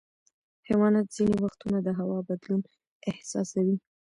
حیوانات ځینې وختونه د هوا بدلون احساسوي.